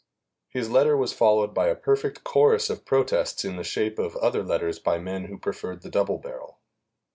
His letter was followed by a perfect chorus of protests in the shape of other letters by men who preferred the double barrel.